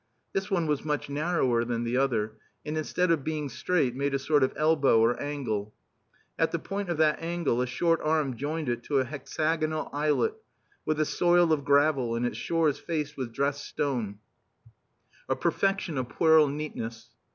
This one was much narrower than the other, and instead of being straight, made a sort of elbow or angle. At the point of that angle a short arm joined it to a hexagonal islet with a soil of gravel and its shores faced with dressed stone, a perfection of puerile neatness.